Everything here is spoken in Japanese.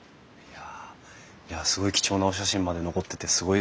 いやすごい貴重なお写真まで残っててすごいですね。